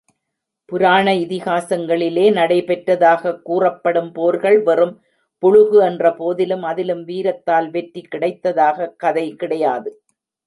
புராண இதிகாசங்களிலே நடைபெற்றதாகக் கூறப்படும் போர்கள், வெறும் புளுகு என்றபோதிலும், அதிலும் வீரத்தால் வெற்றி கிடைத்ததாகக் கதை கிடையாது.